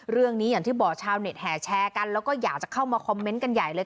อย่างที่บอกชาวเน็ตแห่แชร์กันแล้วก็อยากจะเข้ามาคอมเมนต์กันใหญ่เลย